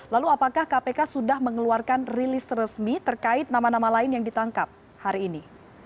lalu apakah kpk sudah mengeluarkan rilis resmi terkait nama nama lain yang ditangkap hari ini